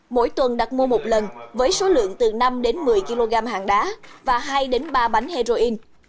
mỗi tuần đặt mua một lần với số lượng từ năm một mươi kg hàng đá và hai ba bánh heroin